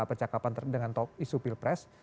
percakapan dengan isu pilpres